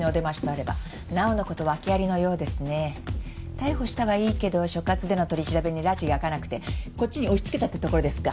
逮捕したはいいけど所轄での取り調べにらちが明かなくてこっちに押しつけたってところですか。